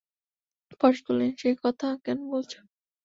পরেশ কহিলেন, সে কথা কেন বলছ?